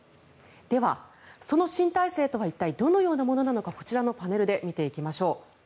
では、その新体制とは一体どのようなものなのかこちらのパネルで見ていきましょう。